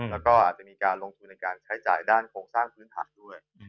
แล้วก็อาจจะมีการลงทุนในการใช้จ่ายด้านโครงสร้างพื้นฐานด้วย